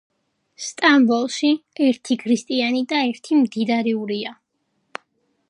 სტამბოლში ერთ ქრისტიანი და ერთი მდიდარი ურია